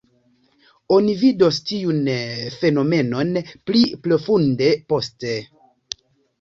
Oni vidos tiun fenomenon pli profunde poste.